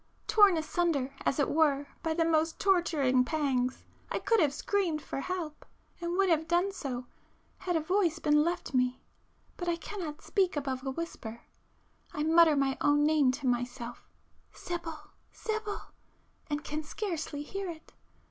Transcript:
Torn asunder as it were by the most torturing pangs, I could have screamed for help,—and would have done so, had voice been left me. But I cannot speak above a whisper,—I mutter my own name to myself 'Sibyl! Sibyl!' and can scarcely hear it.